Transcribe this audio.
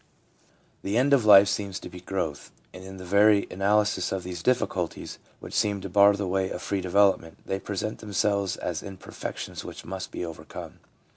The end of life seems to be growth, and in the very analysis of these difficulties which seem to bar the way of free development, they present themselves as im perfections which must be overcome.